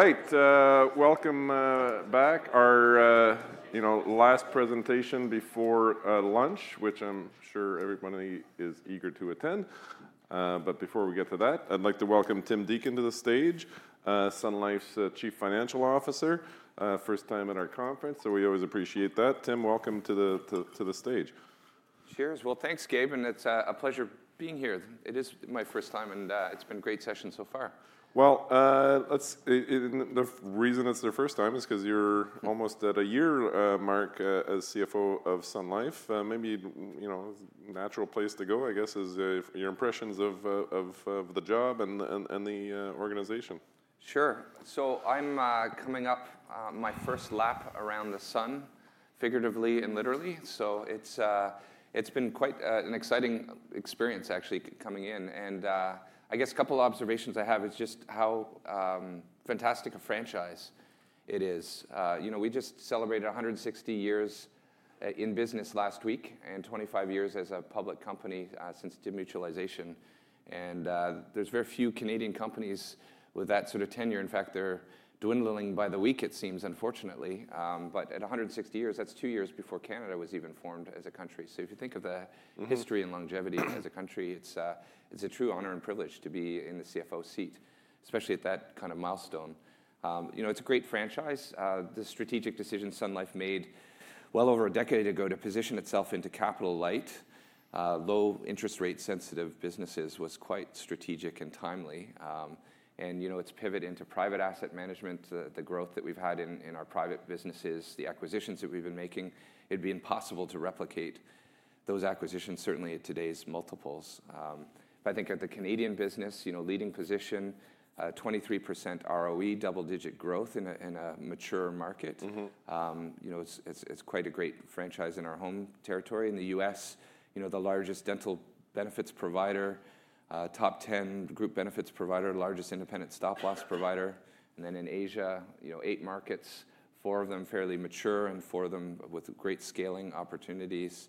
All right, welcome back. Our last presentation before lunch, which I'm sure everybody is eager to attend. Before we get to that, I'd like to welcome Tim Deacon to the stage, Sun Life's Chief Financial Officer, first time at our conference, so we always appreciate that. Tim, welcome to the stage. Cheers. Thanks, Gabe, and it's a pleasure being here. It is my first time, and it's been a great session so far. The reason it's your first time is because you're almost at a year mark as CFO of Sun Life. Maybe a natural place to go, I guess, is your impressions of the job and the organization. Sure. I'm coming up my first lap around the sun, figuratively and literally. It's been quite an exciting experience, actually, coming in. I guess a couple of observations I have is just how fantastic a franchise it is. We just celebrated 160 years in business last week and 25 years as a public company since demutualization. There are very few Canadian companies with that sort of tenure. In fact, they're dwindling by the week, it seems, unfortunately. At 160 years, that's two years before Canada was even formed as a country. If you think of the history and longevity as a country, it's a true honor and privilege to be in the CFO seat, especially at that kind of milestone. It's a great franchise. The strategic decision Sun Life made well over a decade ago to position itself into capital light, low interest rate sensitive businesses was quite strategic and timely. Its pivot into private asset management, the growth that we've had in our private businesses, the acquisitions that we've been making, it'd be impossible to replicate those acquisitions, certainly at today's multiples. I think at the Canadian business, leading position, 23% ROE, double-digit growth in a mature market. It's quite a great franchise in our home territory. In the U.S., the largest dental benefits provider, top 10 group benefits provider, largest independent stop-loss provider. In Asia, eight markets, four of them fairly mature and four of them with great scaling opportunities.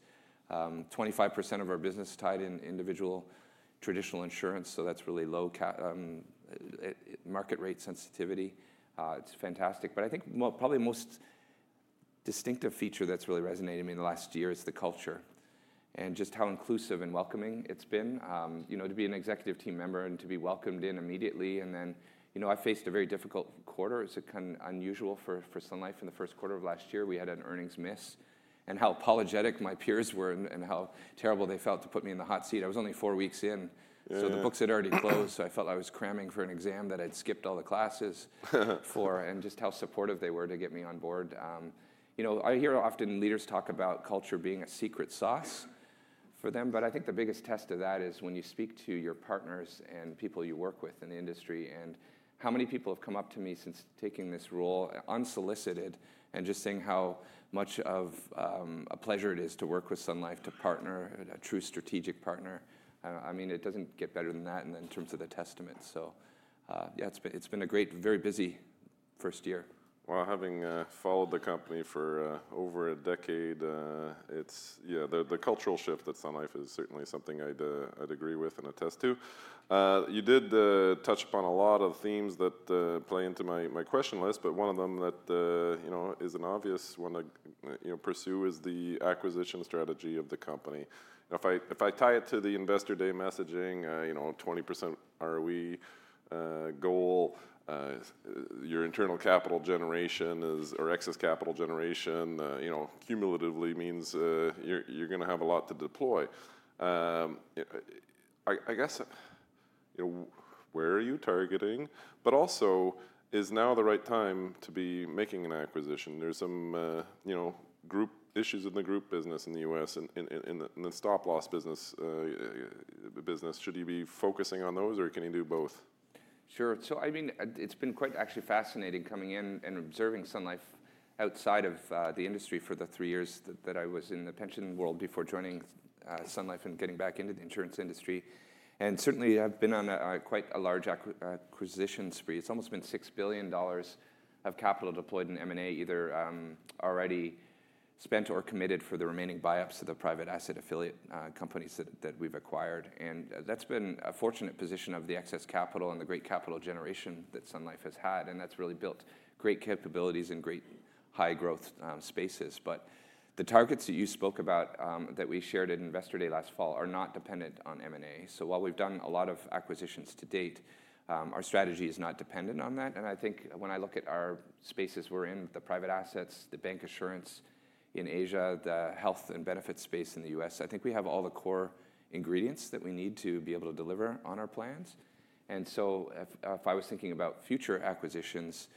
25% of our business tied in individual traditional insurance, so that's really low market rate sensitivity. It's fantastic. I think probably the most distinctive feature that's really resonated in me in the last year is the culture and just how inclusive and welcoming it's been. To be an executive team member and to be welcomed in immediately. I faced a very difficult quarter. It's kind of unusual for Sun Life. In the first quarter of last year, we had an earnings miss. How apologetic my peers were and how terrible they felt to put me in the hot seat. I was only four weeks in, so the books had already closed. I felt I was cramming for an exam that I'd skipped all the classes for and just how supportive they were to get me on board. I hear often leaders talk about culture being a secret sauce for them. I think the biggest test of that is when you speak to your partners and people you work with in the industry. How many people have come up to me since taking this role unsolicited and just saying how much of a pleasure it is to work with Sun Life, to partner, a true strategic partner. I mean, it doesn't get better than that in terms of the testament. Yeah, it's been a great, very busy first year. Having followed the company for over a decade, the cultural shift at Sun Life is certainly something I'd agree with and attest to. You did touch upon a lot of themes that play into my question list, but one of them that is an obvious one to pursue is the acquisition strategy of the company. If I tie it to the Investor day messaging, 20% ROE goal, your internal capital generation or excess capital generation cumulatively means you're going to have a lot to deploy. I guess, where are you targeting? Also, is now the right time to be making an acquisition? There's some group issues in the group business in the US and the stop-loss business. Should he be focusing on those, or can he do both? Sure. I mean, it's been quite actually fascinating coming in and observing Sun Life outside of the industry for the three years that I was in the pension world before joining Sun Life and getting back into the insurance industry. Certainly, I've been on quite a large acquisition spree. It's almost been $6 billion of capital deployed in M&A, either already spent or committed for the remaining buyouts of the private asset affiliate companies that we've acquired. That's been a fortunate position of the excess capital and the great capital generation that Sun Life has had. That's really built great capabilities and great high-growth spaces. The targets that you spoke about that we shared at Investor day last fall are not dependent on M&A. While we've done a lot of acquisitions to date, our strategy is not dependent on that. I think when I look at our spaces we're in, the private assets, the bank insurance in Asia, the health and benefits space in the US, I think we have all the core ingredients that we need to be able to deliver on our plans. If I was thinking about future acquisitions,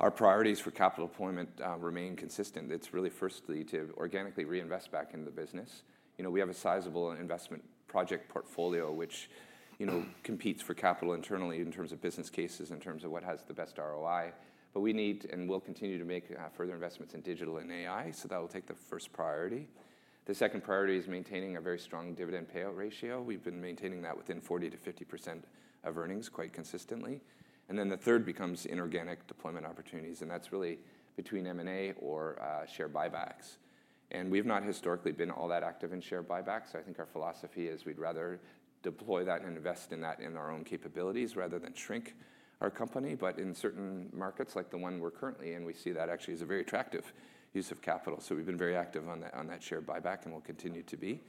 our priorities for capital deployment remain consistent. It's really firstly to organically reinvest back into the business. We have a sizable investment project portfolio, which competes for capital internally in terms of business cases, in terms of what has the best ROI. We need and will continue to make further investments in digital and AI, so that will take the first priority. The second priority is maintaining a very strong dividend payout ratio. We've been maintaining that within 40%-50% of earnings quite consistently. The third becomes inorganic deployment opportunities. That is really between M&A or share buybacks. We have not historically been all that active in share buybacks. I think our philosophy is we would rather deploy that and invest in that in our own capabilities rather than shrink our company. In certain markets, like the one we are currently in, we see that actually as a very attractive use of capital. We have been very active on that share buyback and will continue to be.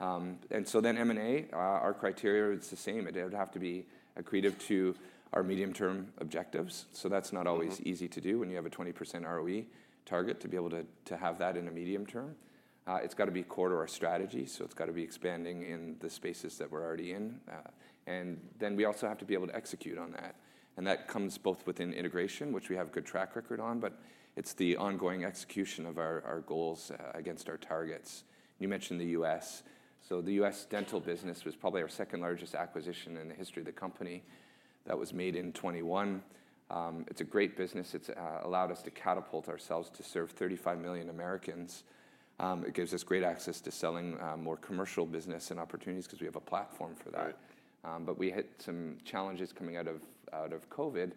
M&A, our criteria is the same. It would have to be accretive to our medium-term objectives. That is not always easy to do when you have a 20% ROE target to be able to have that in the medium term. It has to be core to our strategy, so it has to be expanding in the spaces that we are already in. We also have to be able to execute on that. That comes both within integration, which we have a good track record on, but it is the ongoing execution of our goals against our targets. You mentioned the U.S. The U.S. dental business was probably our second largest acquisition in the history of the company. That was made in 2021. It is a great business. It has allowed us to catapult ourselves to serve 35 million Americans. It gives us great access to selling more commercial business and opportunities because we have a platform for that. We had some challenges coming out of COVID,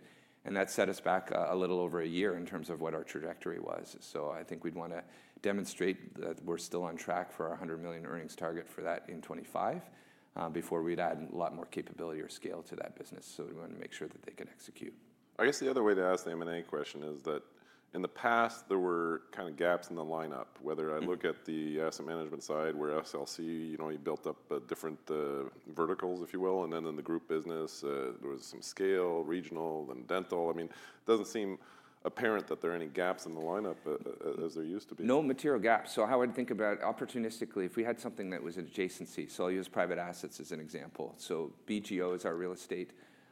and that set us back a little over a year in terms of what our trajectory was. I think we'd want to demonstrate that we're still on track for our $100 million earnings target for that in 2025 before we'd add a lot more capability or scale to that business. We want to make sure that they can execute. I guess the other way to ask the M&A question is that in the past, there were kind of gaps in the lineup, whether I look at the asset management side where SLC, you built up different verticals, if you will, and then in the group business, there was some scale, regional, then dental. I mean, it does not seem apparent that there are any gaps in the lineup as there used to be. No material gaps. How I'd think about it opportunistically, if we had something that was adjacency. I'll use private assets as an example. BGO is our real estate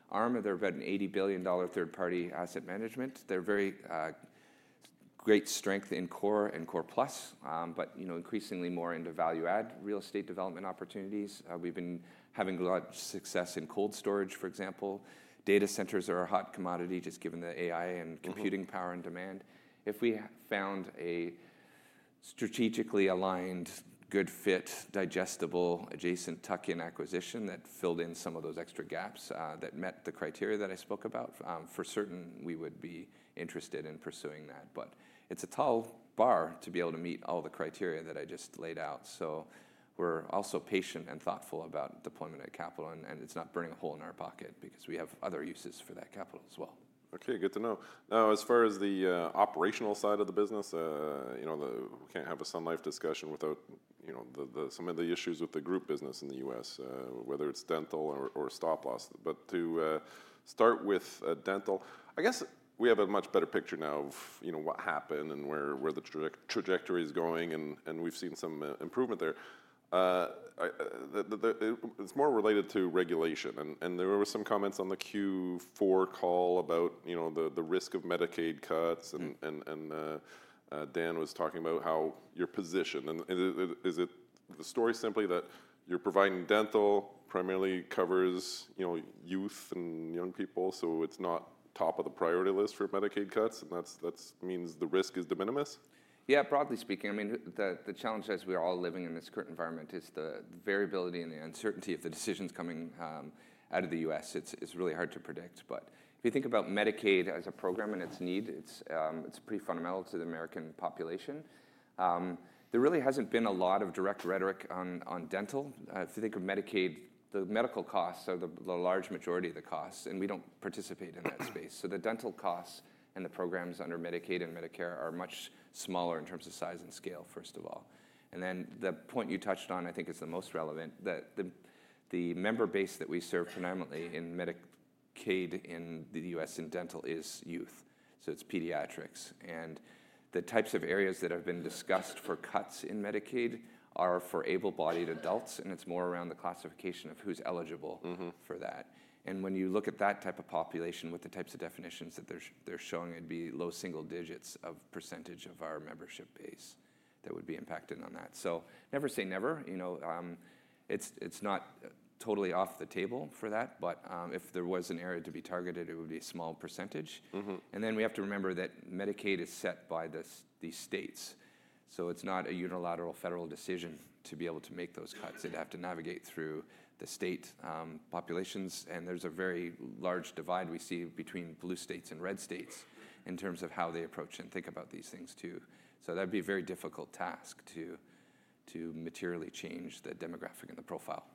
arm. They're about $80 billion third-party asset management. They have very great strength in Core and Core Plus, but increasingly more into value-add real estate development opportunities. We've been having a lot of success in cold storage, for example. Data centers are a hot commodity just given the AI and computing power and demand. If we found a strategically aligned, good fit, digestible, adjacent tuck-in acquisition that filled in some of those extra gaps that met the criteria that I spoke about, for certain we would be interested in pursuing that. It's a tall bar to be able to meet all the criteria that I just laid out. We are also patient and thoughtful about deployment of capital, and it's not burning a hole in our pocket because we have other uses for that capital as well. Okay, good to know. Now, as far as the operational side of the business, we can't have a Sun Life discussion without some of the issues with the group business in the US, whether it's dental or stop-loss. To start with dental, I guess we have a much better picture now of what happened and where the trajectory is going, and we've seen some improvement there. It's more related to regulation. There were some comments on the Q4 call about the risk of Medicaid cuts, and Dan was talking about how your position. Is it the story simply that you're providing dental primarily covers youth and young people, so it's not top of the priority list for Medicaid cuts, and that means the risk is de minimis? Yeah, broadly speaking, I mean, the challenge as we're all living in this current environment is the variability and the uncertainty of the decisions coming out of the U.S. is really hard to predict. If you think about Medicaid as a program and its need, it's pretty fundamental to the American population. There really hasn't been a lot of direct rhetoric on dental. If you think of Medicaid, the medical costs are the large majority of the costs, and we don't participate in that space. The dental costs and the programs under Medicaid and Medicare are much smaller in terms of size and scale, first of all. The point you touched on, I think, is the most relevant, that the member base that we serve predominantly in Medicaid in the U.S. in dental is youth. It's pediatrics. The types of areas that have been discussed for cuts in Medicaid are for able-bodied adults, and it's more around the classification of who's eligible for that. When you look at that type of population with the types of definitions that they're showing, it'd be low single digits of % of our membership base that would be impacted on that. Never say never. It's not totally off the table for that, but if there was an area to be targeted, it would be a small %. We have to remember that Medicaid is set by the states. It's not a unilateral federal decision to be able to make those cuts. It'd have to navigate through the state populations. There's a very large divide we see between blue states and red states in terms of how they approach and think about these things too. That'd be a very difficult task to materially change the demographic and the profile.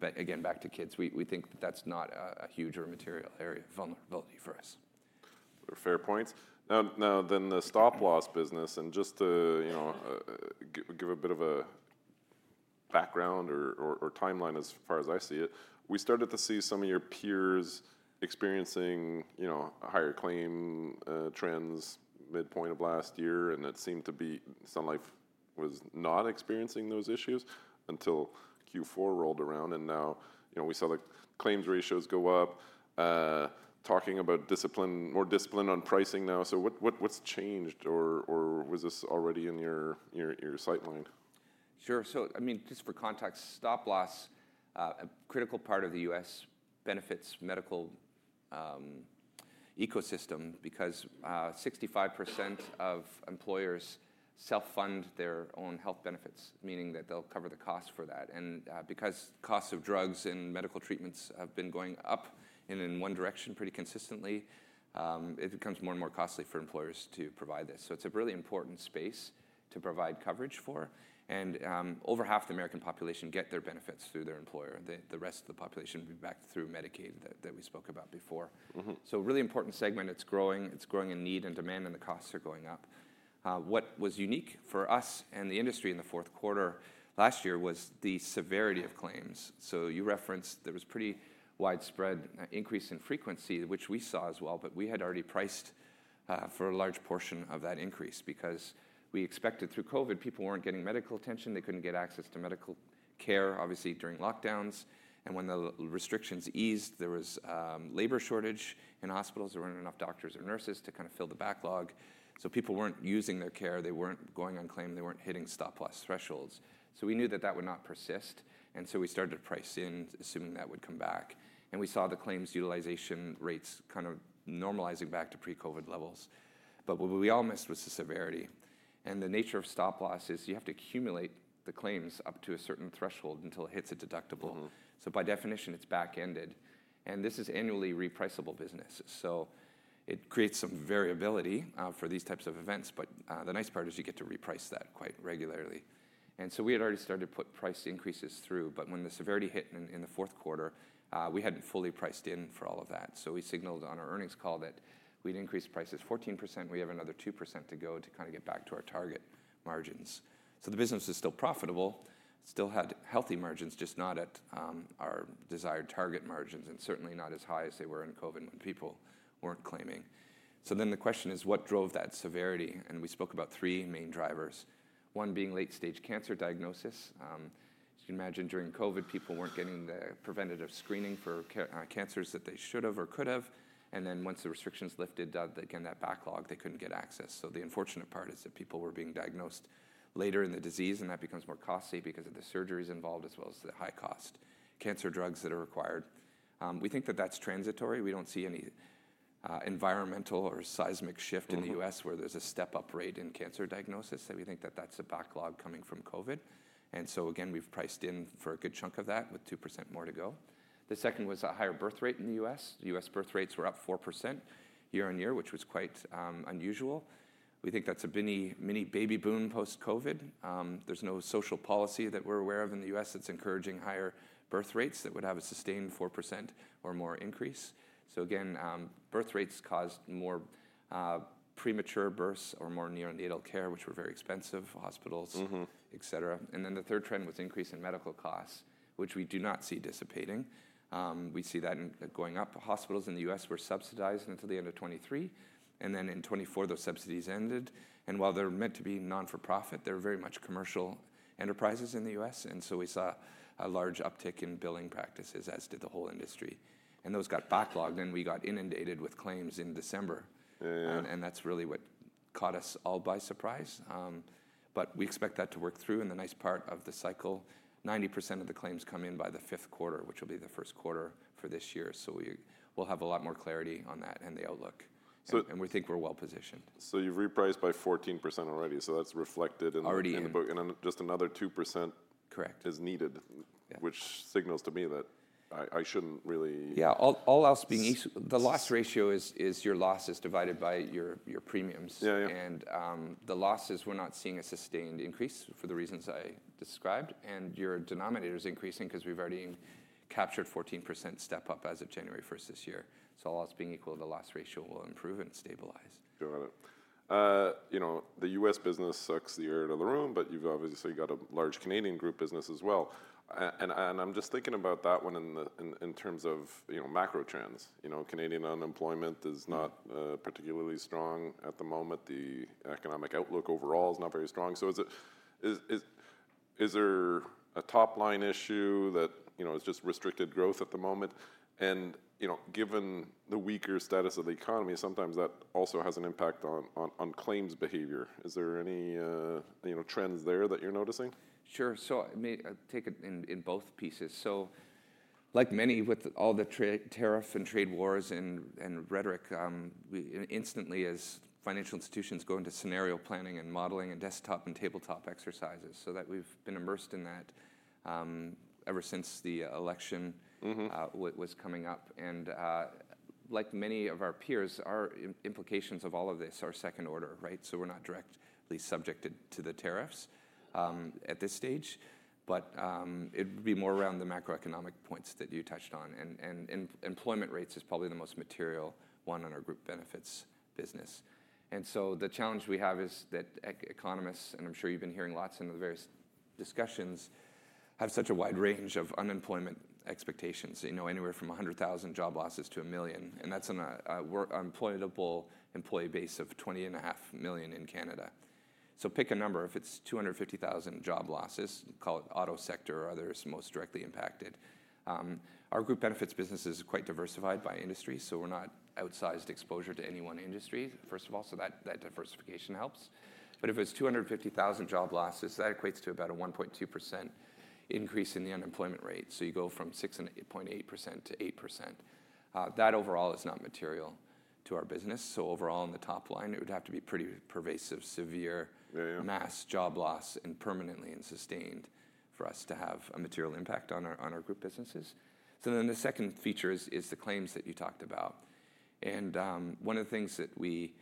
Again, back to kids, we think that that's not a huge or material area of vulnerability for us. Fair point. Now, then the stop-loss business. Just to give a bit of a background or timeline as far as I see it, we started to see some of your peers experiencing higher claim trends midpoint of last year. It seemed to be Sun Life was not experiencing those issues until Q4 rolled around. Now we saw claims ratios go up, talking about more discipline on pricing now. What has changed, or was this already in your sight line? Sure. I mean, just for context, stop-loss, a critical part of the U.S. benefits medical ecosystem because 65% of employers self-fund their own health benefits, meaning that they'll cover the cost for that. Because costs of drugs and medical treatments have been going up in one direction pretty consistently, it becomes more and more costly for employers to provide this. It is a really important space to provide coverage for. Over half the American population get their benefits through their employer. The rest of the population would be backed through Medicaid that we spoke about before. A really important segment, it's growing. It's growing in need and demand, and the costs are going up. What was unique for us and the industry in the fourth quarter last year was the severity of claims. You referenced there was a pretty widespread increase in frequency, which we saw as well, but we had already priced for a large portion of that increase because we expected through COVID, people were not getting medical attention. They could not get access to medical care, obviously, during lockdowns. When the restrictions eased, there was a labor shortage in hospitals. There were not enough doctors or nurses to kind of fill the backlog. People were not using their care. They were not going on claim. They were not hitting stop-loss thresholds. We knew that that would not persist. We started to price in, assuming that would come back. We saw the claims utilization rates kind of normalizing back to pre-COVID levels. What we all missed was the severity. The nature of stop-loss is you have to accumulate the claims up to a certain threshold until it hits a deductible. By definition, it is back-ended. This is annually repriceable business. It creates some variability for these types of events. The nice part is you get to reprice that quite regularly. We had already started to put price increases through. When the severity hit in the fourth quarter, we had not fully priced in for all of that. We signaled on our earnings call that we had increased prices 14%. We have another 2% to go to kind of get back to our target margins. The business is still profitable, still had healthy margins, just not at our desired target margins, and certainly not as high as they were in COVID when people were not claiming. The question is, what drove that severity? We spoke about three main drivers, one being late-stage cancer diagnosis. As you can imagine, during COVID, people were not getting the preventative screening for cancers that they should have or could have. Once the restrictions lifted, that backlog meant they could not get access. The unfortunate part is that people were being diagnosed later in the disease, and that becomes more costly because of the surgeries involved as well as the high-cost cancer drugs that are required. We think that is transitory. We do not see any environmental or seismic shift in the U.S. where there is a step-up rate in cancer diagnosis. We think that is a backlog coming from COVID. We have priced in for a good chunk of that with 2% more to go. The second was a higher birth rate in the U.S. US birth rates were up 4% year on year, which was quite unusual. We think that's a mini baby boom post-COVID. There's no social policy that we're aware of in the US that's encouraging higher birth rates that would have a sustained 4% or more increase. Birth rates caused more premature births or more neonatal care, which were very expensive, hospitals, et cetera. The third trend was increase in medical costs, which we do not see dissipating. We see that going up. Hospitals in the US were subsidized until the end of 2023. In 2024, those subsidies ended. While they're meant to be non-for-profit, they're very much commercial enterprises in the US. We saw a large uptick in billing practices, as did the whole industry. Those got backlogged, and we got inundated with claims in December. That is really what caught us all by surprise. We expect that to work through. The nice part of the cycle is 90% of the claims come in by the fifth quarter, which will be the first quarter for this year. We will have a lot more clarity on that and the outlook. We think we are well positioned. You've repriced by 14% already. That's reflected in the book. Then just another 2% is needed, which signals to me that I shouldn't really. Yeah, all else being equal, the loss ratio is your losses divided by your premiums. The losses, we're not seeing a sustained increase for the reasons I described. Your denominator is increasing because we've already captured 14% step-up as of January 1st this year. All else being equal, the loss ratio will improve and stabilize. Got it. The US business sucks the air out of the room, but you've obviously got a large Canadian group business as well. I'm just thinking about that one in terms of macro trends. Canadian unemployment is not particularly strong at the moment. The economic outlook overall is not very strong. Is there a top-line issue that is just restricted growth at the moment? Given the weaker status of the economy, sometimes that also has an impact on claims behavior. Is there any trends there that you're noticing? Sure. I take it in both pieces. Like many, with all the tariff and trade wars and rhetoric, instantly as financial institutions go into scenario planning and modeling and desktop and tabletop exercises. We have been immersed in that ever since the election was coming up. Like many of our peers, our implications of all of this are second order, right? We are not directly subjected to the tariffs at this stage. It would be more around the macroeconomic points that you touched on. Employment rates is probably the most material one on our group benefits business. The challenge we have is that economists, and I am sure you have been hearing lots in the various discussions, have such a wide range of unemployment expectations, anywhere from 100,000 job losses to 1 million. That is an unemployable employee base of 20.5 million in Canada. Pick a number. If it's 250,000 job losses, call it auto sector or others most directly impacted. Our group benefits business is quite diversified by industry. We're not outsized exposure to any one industry, first of all. That diversification helps. If it's 250,000 job losses, that equates to about a 1.2% increase in the unemployment rate. You go from 6.8% to 8%. That overall is not material to our business. Overall in the top line, it would have to be pretty pervasive, severe mass job loss and permanently and sustained for us to have a material impact on our group businesses. The second feature is the claims that you talked about. One of the things that we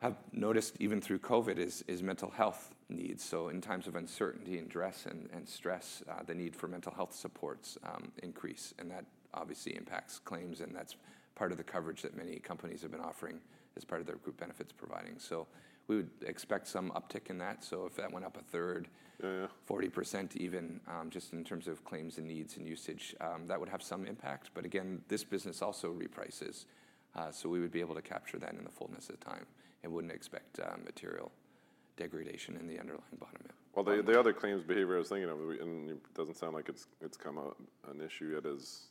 have noticed even through COVID is mental health needs. In times of uncertainty and stress, the need for mental health supports increase. That obviously impacts claims. That is part of the coverage that many companies have been offering as part of their group benefits providing. We would expect some uptick in that. If that went up a third, 40% even, just in terms of claims and needs and usage, that would have some impact. This business also reprices. We would be able to capture that in the fullness of time. I would not expect material degradation in the underlying bottom end. The other claims behavior I was thinking of, and it doesn't sound like it's come up an issue yet, is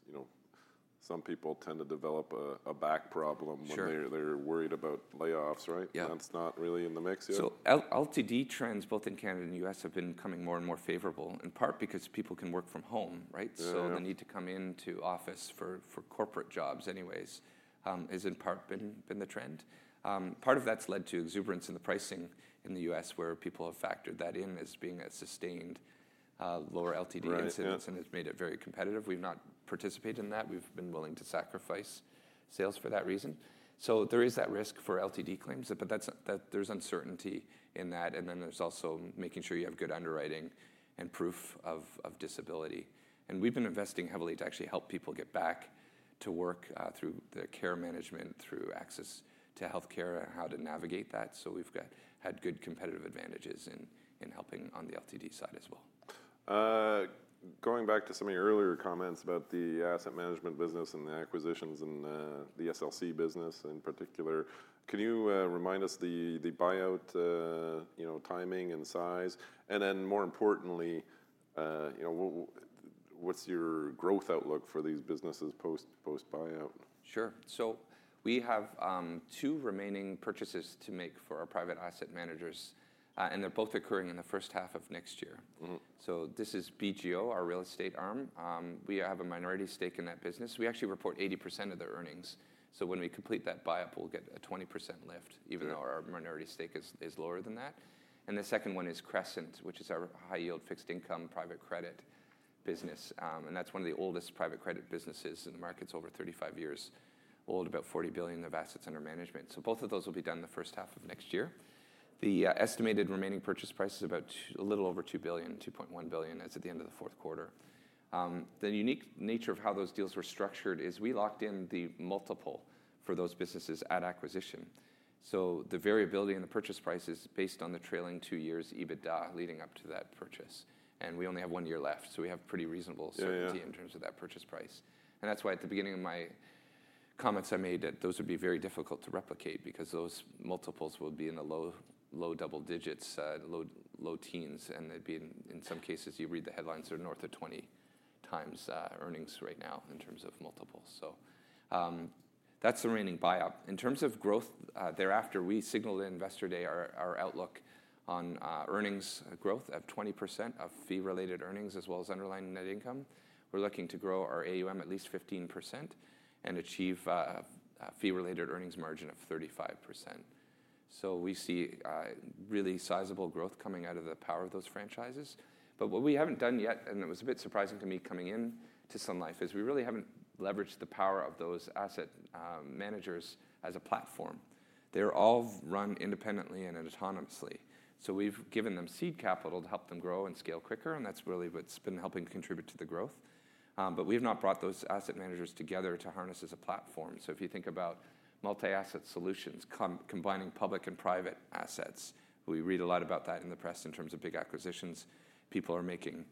some people tend to develop a back problem when they're worried about layoffs, right? That's not really in the mix yet? LTD trends, both in Canada and the US, have been coming more and more favorable, in part because people can work from home, right? The need to come into office for corporate jobs anyways has in part been the trend. Part of that's led to exuberance in the pricing in the US, where people have factored that in as being a sustained lower LTD incidence, and it's made it very competitive. We've not participated in that. We've been willing to sacrifice sales for that reason. There is that risk for LTD claims, but there's uncertainty in that. There's also making sure you have good underwriting and proof of disability. We've been investing heavily to actually help people get back to work through the care management, through access to healthcare, and how to navigate that. We've had good competitive advantages in helping on the LTD side as well. Going back to some of your earlier comments about the asset management business and the acquisitions and the SLC business in particular, can you remind us the buyout timing and size? More importantly, what's your growth outlook for these businesses post-buyout? Sure. We have two remaining purchases to make for our private asset managers, and they're both occurring in the first half of next year. This is BGO, our real estate arm. We have a minority stake in that business. We actually report 80% of the earnings. When we complete that buyout, we'll get a 20% lift, even though our minority stake is lower than that. The second one is Crescent, which is our high-yield fixed-income private credit business. That's one of the oldest private credit businesses in the market. It's over 35 years old, about $40 billion of assets under management. Both of those will be done the first half of next year. The estimated remaining purchase price is a little over $2 billion, $2.1 billion, as at the end of the fourth quarter. The unique nature of how those deals were structured is we locked in the multiple for those businesses at acquisition. The variability in the purchase price is based on the trailing two years EBITDA leading up to that purchase. We only have one year left. We have pretty reasonable certainty in terms of that purchase price. That is why at the beginning of my comments I made that those would be very difficult to replicate because those multiples will be in the low double digits, low teens. In some cases, you read the headlines, they are north of 20 times earnings right now in terms of multiples. That is the remaining buyout. In terms of growth thereafter, we signaled at Investor Day our outlook on earnings growth of 20% of fee-related earnings as well as underlying net income. We're looking to grow our AUM at least 15% and achieve a fee-related earnings margin of 35%. We see really sizable growth coming out of the power of those franchises. What we haven't done yet, and it was a bit surprising to me coming into Sun Life, is we really haven't leveraged the power of those asset managers as a platform. They're all run independently and autonomously. We've given them seed capital to help them grow and scale quicker. That's really what's been helping contribute to the growth. We have not brought those asset managers together to harness as a platform. If you think about multi-asset solutions, combining public and private assets, we read a lot about that in the press in terms of big acquisitions people are making.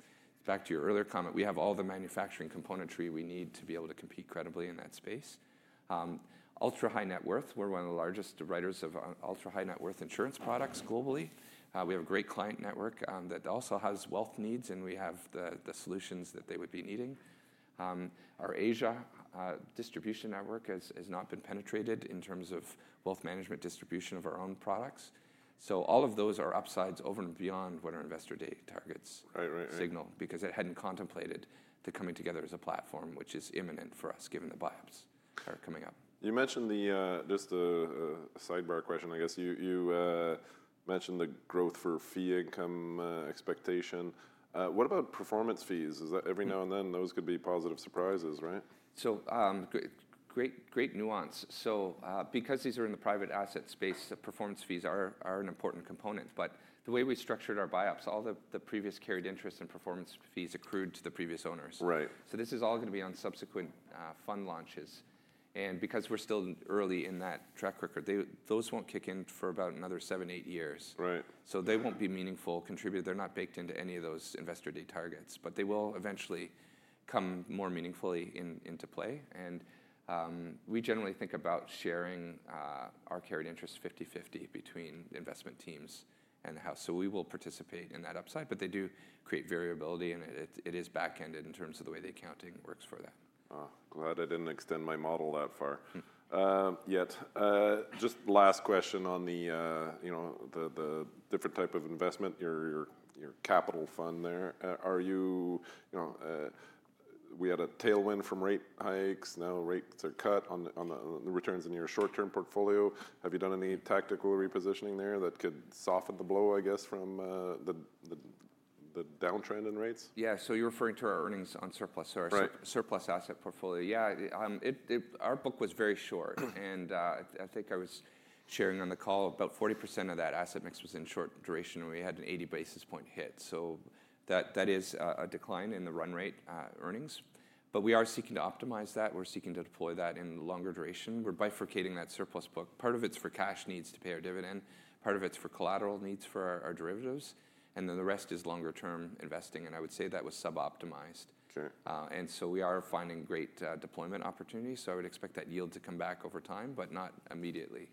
Back to your earlier comment, we have all the manufacturing componentry we need to be able to compete credibly in that space. Ultra high net worth, we're one of the largest writers of ultra high net worth insurance products globally. We have a great client network that also has wealth needs, and we have the solutions that they would be needing. Our Asia distribution network has not been penetrated in terms of wealth management distribution of our own products. All of those are upsides over and beyond what our Investor Day targets signal because it hadn't contemplated the coming together as a platform, which is imminent for us given the buyouts that are coming up. You mentioned just a sidebar question, I guess. You mentioned the growth for fee income expectation. What about performance fees? Every now and then, those could be positive surprises, right? Great nuance. Because these are in the private asset space, performance fees are an important component. The way we structured our buyouts, all the previous carried interest and performance fees accrued to the previous owners. This is all going to be on subsequent fund launches. Because we're still early in that track record, those will not kick in for about another seven, eight years. They will not be meaningfully contributed. They're not baked into any of those Investor Day targets. They will eventually come more meaningfully into play. We generally think about sharing our carried interest 50/50 between investment teams and the house. We will participate in that upside. They do create variability, and it is back-ended in terms of the way the accounting works for that. Glad I didn't extend my model that far yet. Just last question on the different type of investment, your capital fund there. We had a tailwind from rate hikes. Now rates are cut on the returns in your short-term portfolio. Have you done any tactical repositioning there that could soften the blow, I guess, from the downtrend in rates? Yeah. You are referring to our earnings on surplus, our surplus asset portfolio. Yeah. Our book was very short. I think I was sharing on the call, about 40% of that asset mix was in short duration. We had an 80 basis point hit. That is a decline in the run rate earnings. We are seeking to optimize that. We are seeking to deploy that in the longer duration. We are bifurcating that surplus book. Part of it is for cash needs to pay our dividend. Part of it is for collateral needs for our derivatives. The rest is longer-term investing. I would say that was sub-optimized. We are finding great deployment opportunities. I would expect that yield to come back over time, but not immediately.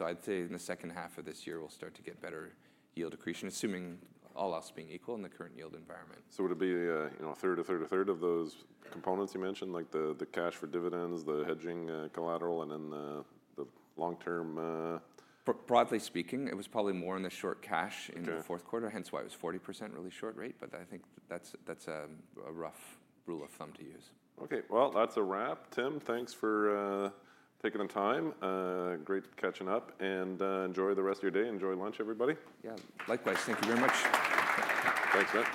I'd say in the second half of this year, we'll start to get better yield accretion, assuming all else being equal in the current yield environment. Would it be a third, a third, a third of those components you mentioned, like the cash for dividends, the hedging collateral, and then the long-term? Broadly speaking, it was probably more in the short cash in the fourth quarter, hence why it was 40% really short rate. I think that's a rough rule of thumb to use. Okay. That's a wrap. Tim, thanks for taking the time. Great catching up. Enjoy the rest of your day. Enjoy lunch, everybody. Yeah. Likewise. Thank you very much. Thanks.